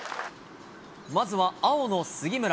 まずは青の杉村。